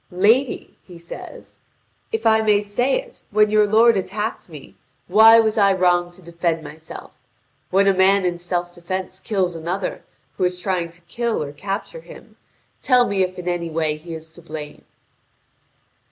"Lady," he says, "if I may say it, when your lord attacked me, why was I wrong to defend myself? When a man in self defence kills another who is trying to kill or capture him, tell me if in any way he is to blame."